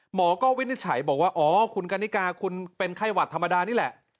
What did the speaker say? หมอก็วินิจฉัยบอกว่าอ๋อคุณกันนิกาคุณเป็นไข้หวัดธรรมดานี่แหละ